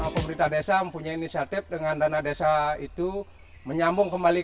pemerintah desa mempunyai inisiatif dengan dana desa itu